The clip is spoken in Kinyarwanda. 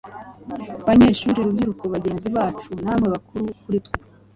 Banyeshuri, rubyiruko bagenzi bacu namwe bakuru kuri twe